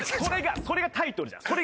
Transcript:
それがタイトルなんす。